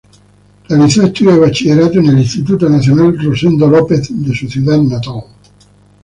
Realizó estudios de Bachillerato en el Instituto Nacional "Rosendo López" de su ciudad natal.